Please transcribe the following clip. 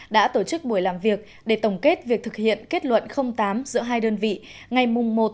đã tổ chức buổi làm việc để tổng kết việc thực hiện kết luận tám giữa hai đơn vị ngày một một mươi một hai nghìn bảy